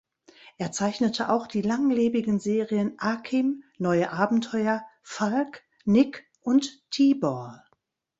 Er zeichnete auch die langlebigen Serien Akim, Neue Abenteuer, "Falk", "Nick" und "Tibor".